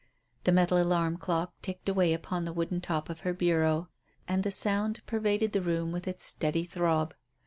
The metal alarm clock ticked away upon the wooden top of her bureau, and the sound pervaded the room with its steady throb.